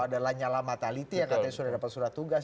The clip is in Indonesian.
ada lanyala mataliti yang katanya sudah dapat surat tugas